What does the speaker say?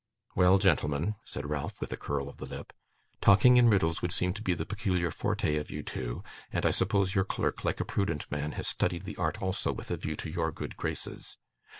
'Well, gentlemen,' said Ralph with a curl of the lip, 'talking in riddles would seem to be the peculiar forte of you two, and I suppose your clerk, like a prudent man, has studied the art also with a view to your good graces.